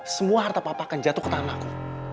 semua harta papa akan jatuh ke tanahku